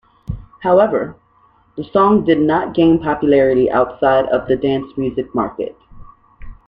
However, the song did not gain popularity outside of the dance music market.